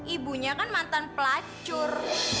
ibunya kan mantan pelacur